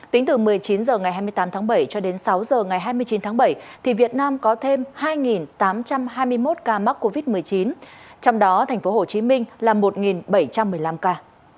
tính từ một mươi chín h ngày hai mươi tám tháng bảy cho đến sáu h ngày hai mươi chín tháng bảy việt nam có thêm hai tám trăm hai mươi một ca mắc covid một mươi chín trong đó tp hcm là một bảy trăm một mươi năm ca